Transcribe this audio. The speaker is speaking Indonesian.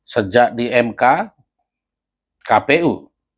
sejak di mk kpu